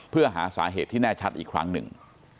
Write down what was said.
เพื่อหาสาเหตุที่แน่ชัดอีกครั้งหนึ่ง